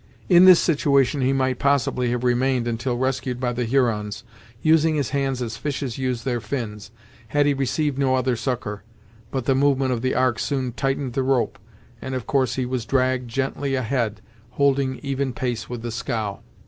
In this situation he might possibly have remained until rescued by the Hurons, using his hands as fishes use their fins, had he received no other succour, but the movement of the Ark soon tightened the rope, and of course he was dragged gently ahead holding even pace with the scow.